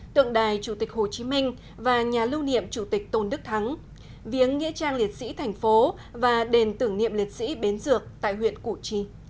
tượng đài chủ tịch hồ chí minh và nhà lưu niệm chủ tịch tôn đức thắng viếng nghĩa trang liệt sĩ thành phố và đền tưởng niệm liệt sĩ bến dược tại huyện củ chi